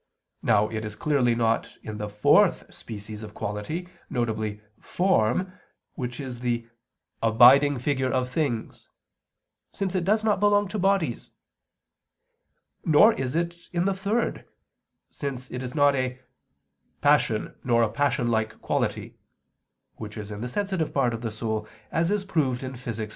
Now it is clearly not in the fourth species of quality; viz. form which is the "abiding figure of things," since it does not belong to bodies. Nor is it in the third, since it is not a "passion nor a passion like quality," which is in the sensitive part of the soul, as is proved in _Physic.